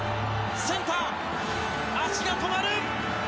センター、足が止まる。